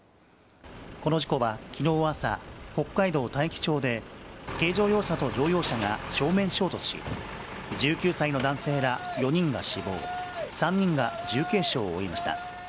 この事故はきのう朝、北海道大樹町で、軽乗用車と乗用車が正面衝突し、１９歳の男性ら４人が死亡、３人が重軽傷を負いました。